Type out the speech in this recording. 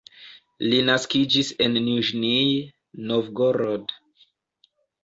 Li naskiĝis en Niĵnij Novgorod.